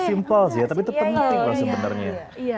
itu simpel sih tapi itu penting sebenarnya